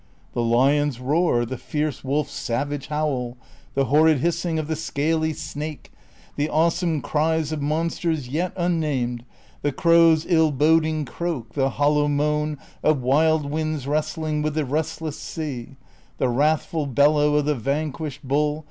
The lion's roar, the fierce wolf's savage howl, The horrid hissing of the scaly snake. The awesome cries of monsters 3^et unnamed, The crow's ill boding croak, the hollow moan Of wild winds wrestling with the restless sea, The wrathful bellow of the vanquished bull.